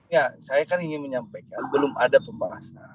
ya saya kan ingin menyampaikan belum ada pembahasan